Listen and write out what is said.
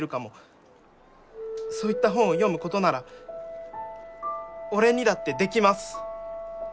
そういった本を読むことなら俺にだってできます！